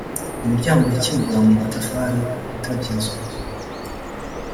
imiryango yikingura mu matafari yo ku bikuta by’inzu